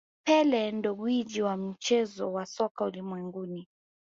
pele ndo gwiji wa mchezo wa soka ulimwenguni